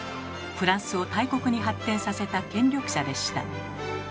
フランスを大国に発展させた権力者でした。